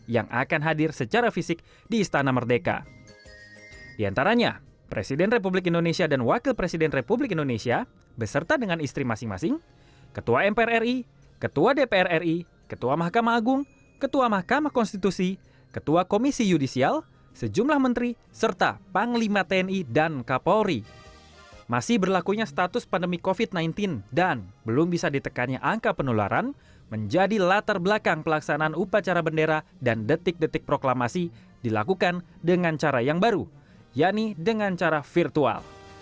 yang bisa ditekannya angka penularan menjadi latar belakang pelaksanaan upacara bendera dan detik detik proklamasi dilakukan dengan cara yang baru yaitu dengan cara virtual